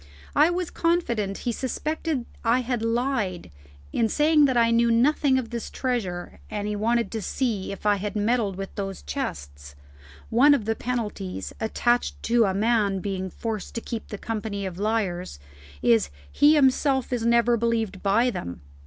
I was confident he suspected I had lied in saying I knew nothing of this treasure and that he wanted to see if I had meddled with those chests. One of the penalties attached to a man being forced to keep the company of liars is, he himself is never believed by them.